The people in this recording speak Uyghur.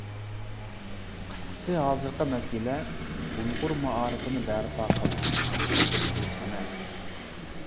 قىسقىسى، ھازىرقى مەسىلە «ئۇيغۇر مائارىپىنى بەرپا قىلىش» قىلىش ئەمەس.